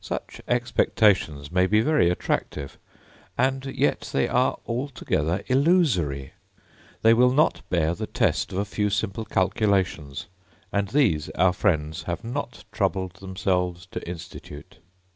Such expectations may be very attractive, and yet they are altogether illusory! they will not bear the test of a few simple calculations; and these our friends have not troubled themselves to institute.